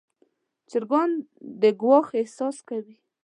چرګان د ګواښ احساس کوي.